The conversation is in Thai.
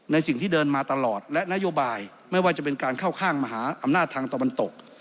สิ่งที่เดินมาตลอดและนโยบายไม่ว่าจะเป็นการเข้าข้างมหาอำนาจทางตะวันตก